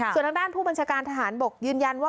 ส่วนทางด้านผู้บัญชาการทหารบกยืนยันว่า